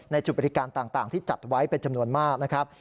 จุดบริการต่างที่จัดไว้เป็นจำนวนมากนะครับ